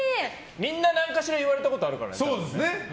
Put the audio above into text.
みんな何かしら言われたことあるからね。